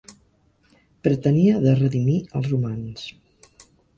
Pretenia de redimir els humans.